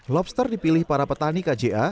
lobster dipilih para petani kja